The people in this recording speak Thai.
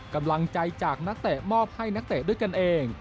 กำลังใจจากนักเตะมอบให้นักเตะด้วยกันเอง